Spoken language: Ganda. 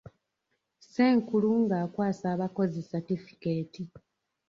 Ssenkulu ng'akwasa abakozi satifikeeti.